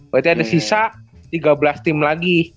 berarti ada sisa tiga belas tim lagi